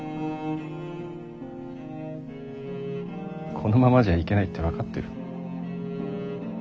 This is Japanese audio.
このままじゃいけないって分かってる。